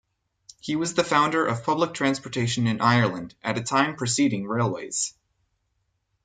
He was the founder of public transportation in Ireland, at a time preceding railways.